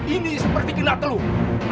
ini seperti genak telur